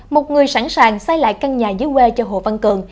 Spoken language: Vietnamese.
một người sẵn sàng xây lại căn nhà dưới quê cho hồ văn cường